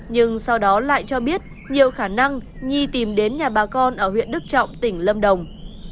nhưng sau đó lại cho biết nhiều khả năng nhi tìm đến nhà bà con ở huyện đức trọng tỉnh lâm đồng